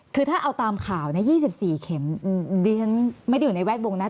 คือถ้าเอาตามข่าวนะ๒๔เข็มดิฉันไม่ได้อยู่ในแวดวงนะ